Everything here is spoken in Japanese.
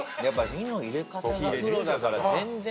火の入れ方がプロだから全然。